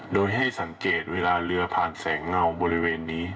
โดยให้สังเกตเวลาเรือผ่านแสงเงาบริเวณนี้